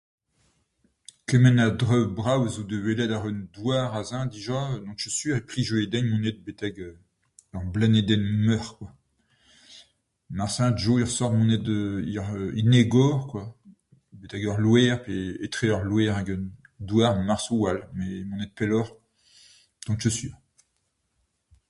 Kement a draoù brav zo da welet àr an douar aze dija n'on ket sur e plijhe din mont betek ar blanedenn Meurzh. Marteze mont en egor betek al loar pe etre al loar hag an douar marteze a-walc'h met mont pelloc'h n'on ket sur.